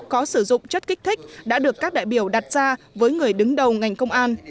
có sử dụng chất kích thích đã được các đại biểu đặt ra với người đứng đầu ngành công an